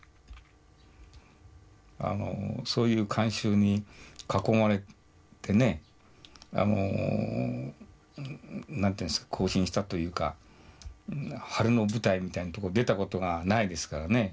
あのそういう観衆に囲まれてねあの何て言うんすか行進したというか晴れの舞台みたいなとこ出たことがないですからね。